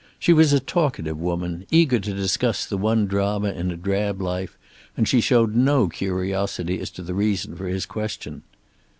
She was a talkative woman, eager to discuss the one drama in a drab life, and she showed no curiosity as to the reason for his question.